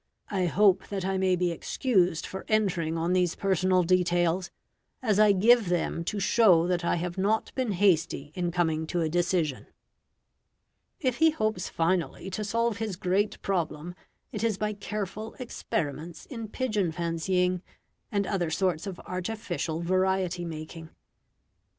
I hope that I may be excused for entering on these personal details, as I give them to show that I have not been hasty in coming to a decision." If he hopes finally to solve his great problem, it is by careful experiments in pigeon fancying, and other sorts of artificial variety making.